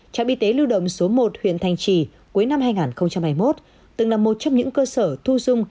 trạm y tế lưu động số một huyện thành trì cuối năm hai nghìn hai mươi một từng là một trong những cơ sở thu dung